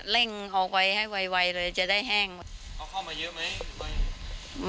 เอาไว้ให้ไวเลยจะได้แห้งเอาเข้ามาเยอะไหม